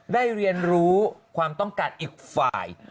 ได้เรียนรู้ความต้องการอีกฝ่าย